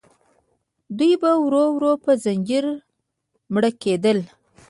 دوی به ورو ورو په زجر مړه کېدل.